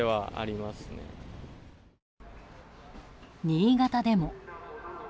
新潟でも。